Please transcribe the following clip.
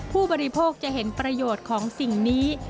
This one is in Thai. ผู้บริโภคจะเห็นประโยชน์ของสิ่งนี้